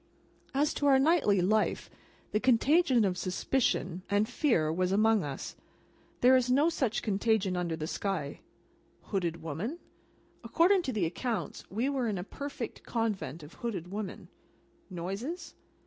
As to our nightly life, the contagion of suspicion and fear was among us, and there is no such contagion under the sky. Hooded woman? According to the accounts, we were in a perfect Convent of hooded women. Noises?